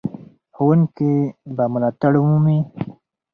ښوونکي به ملاتړ ومومي.